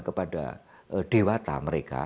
kepada dewata mereka